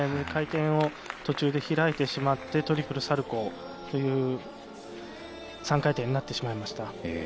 回転を途中で開いてしまってトリプルサルコー、３回転になってしまいました。